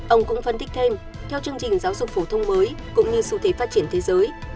ông cũng phân tích thêm theo chương trình giáo dục phổ thông mới cũng như xu thế phát triển thế giới